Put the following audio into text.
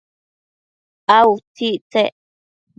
a utsictsec?